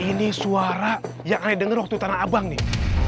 ini suara yang ada di waktu tanah abang nih